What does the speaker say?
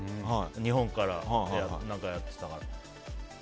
日本からやってたから。